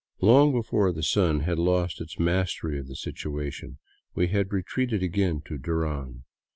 Long before the sun had lost its mastery of the situation, we had retreated again to Duran.